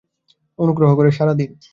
অনুগ্রহ করে সাড়া দিন।